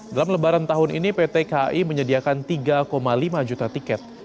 dalam lebaran tahun ini pt kai menyediakan tiga lima juta tiket